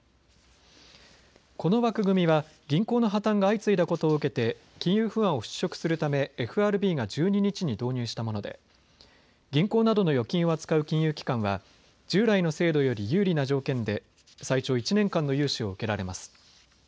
この枠組みは銀行の破綻が相次いだことを受けて金融不安を払拭するためＦＲＢが１２日に導入したもので銀行などの預金を扱う金融機関は従来の制度より有利な条件で最長１年間の融資を受けられます。